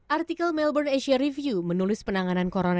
artikel melbourne asia review menulis penanganan corona